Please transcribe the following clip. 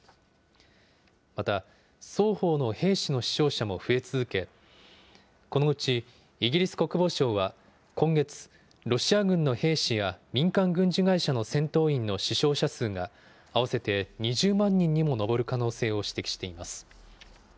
また、双方の兵士の死傷者も増え続け、このうちイギリス国防省は今月、ロシア軍の兵士や民間軍事会社の戦闘員の死傷者数が合わせて２０万人にも上る可能性を指摘しています。